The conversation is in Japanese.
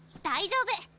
大丈夫